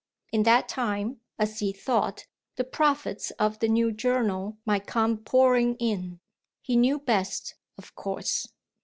In that time, as he thought, the profits of the new journal might come pouring in. He knew best, of course.